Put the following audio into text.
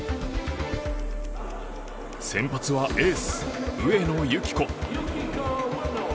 先発はエース、上野由岐子。